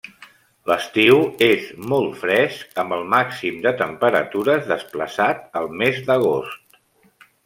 L'estiu és molt fresc amb el màxim de temperatures desplaçat al mes d'agost.